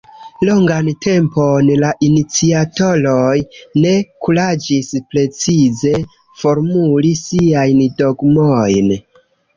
Longan tempon la iniciatoroj ne kuraĝis precize formuli siajn dogmojn.